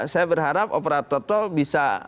saya berharap operator tol bisa